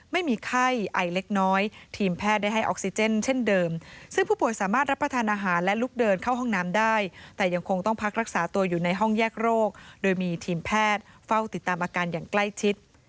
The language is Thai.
ไม่มีไข้ไอเล็กน้อยทีมแพทย์ได้ให้ออกซิเจนเช่นเดิมซึ่งผู้ป่วยสามารถรับประทานอาหารและลุกเดินเข้าห้องน้ำได้แต่ยังคงต้องพักรักษาตัวอยู่ในห้องแยกโรคโดยมีทีมแพทย์เฝ้าติดตามอาการอย่างใกล้ชิด